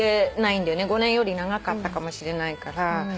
５年より長かったかもしれないから。